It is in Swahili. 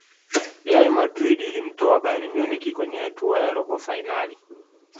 real madrid ilimtoa bayern munich kwenye hatua ya robo fainali